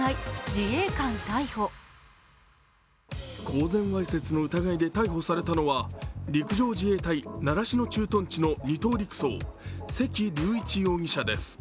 公然わいせつの疑いで逮捕されたのは陸上自衛隊習志野駐屯地の二等陸曹、関龍一容疑者です。